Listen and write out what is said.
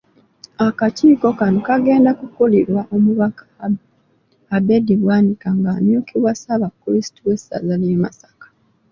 Akakiiko kano kagenda kukulirwa Omubaka Abed Bwanika ng’amyukibwa ssaabakulisitu w’essaza ly’e Masaka.